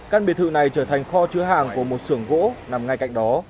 căn biệt thự này trở thành kho chứa hàng của một sưởng gỗ nằm ngay cạnh đó